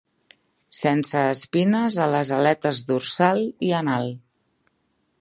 Sense espines a les aletes dorsal i anal.